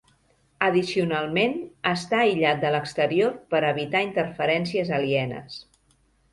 Addicionalment, està aïllat de l'exterior per evitar interferències alienes.